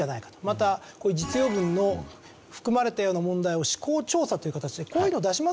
またこういう実用文の含まれたような問題を試行調査っていう形でこういうのを出します